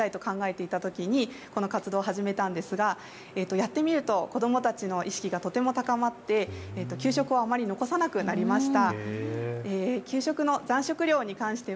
給食の残食率の高さをどうにかしたいと考えていたときにこの活動を始めたんですがやってみると子どもたちの意識がとても高まって給食をあまり残さなくなりました。